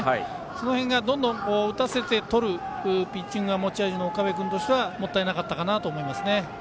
その辺が、どんどん打たせてとるピッチングが持ち味の岡部君としてはもったいなかったかなと思います。